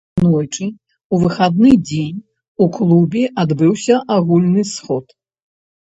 Аднойчы, у выхадны дзень, у клубе адбыўся агульны сход.